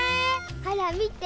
ほらみて。